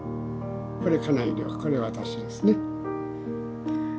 これ家内でこれ私ですね。